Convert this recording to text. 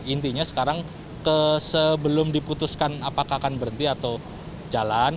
intinya sekarang sebelum diputuskan apakah akan berhenti atau jalan